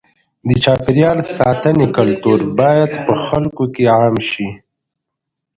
د چاپېریال ساتنې کلتور باید په خلکو کې عام شي.